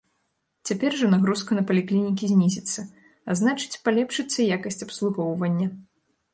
Цяпер жа нагрузка на паліклінікі знізіцца, а значыць, палепшыцца якасць абслугоўвання.